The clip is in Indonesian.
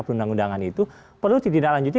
perundang undangan itu perlu ditindaklanjuti